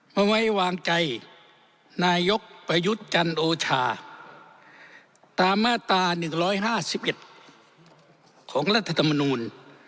เมื่อไว้วางใจนายกประยุทธ์จันทร์โอชาตามมาตราหนึ่งร้อยห้าสิบเย็นของรัฐธรรมนูญ